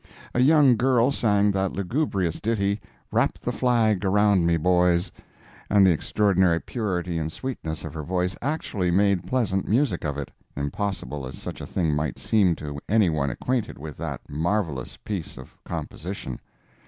A young girl sang that lugubrious ditty, "Wrap the Flag around me, Boys," and the extraordinary purity and sweetness of her voice actually made pleasant music of it, impossible as such a thing might seem to any one acquainted with that marvellous piece of composition.